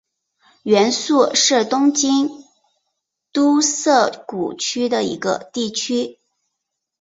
原宿是东京都涩谷区的一个地区。